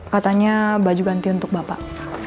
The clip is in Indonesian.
katanya baju ganti untuk bapak